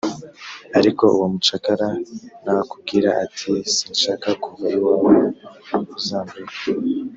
ariko uwo mucakara nakubwira ati «sinshaka kuva iwawe uzamureke»